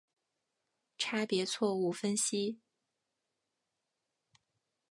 差别错误分析。